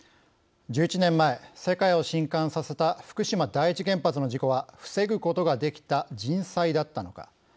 １１年前世界をしんかんさせた福島第一原発の事故は防ぐことができた人災だったのか。